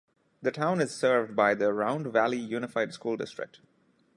The town is served by the Round Valley Unified School District.